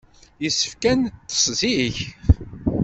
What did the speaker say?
Yessefk ad neṭṭes zik.